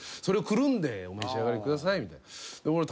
それをくるんでお召し上がりくださいみたいな。